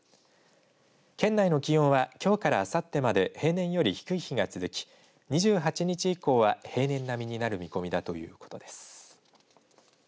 県内の気温は、きょうからあさってまで平年より低い日が続き２８日以降は平年並みになる見込みだということです。